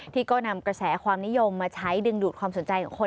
ที่ก็นำกระแสความนิยมมาใช้ดึงดูดความสนใจของคน